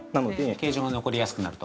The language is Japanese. ◆形状が残りやすくなると。